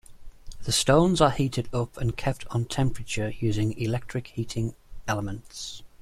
The stones are heated up and kept on temperature using electric heating elements.